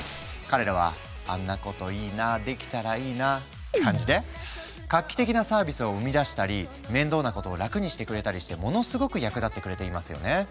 彼らはあんなこといいなできたらいいなって感じで画期的なサービスを生み出したり面倒なことを楽にしてくれたりしてものすごく役立ってくれていますよね。